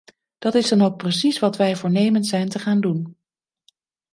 Dat is dan ook precies wat wij voornemens zijn te gaan doen.